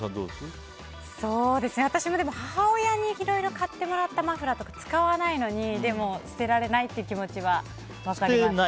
私も母親に、いろいろ買ってもらったマフラーとか使わないのにでも、捨てられないっていう気持ちは分かります。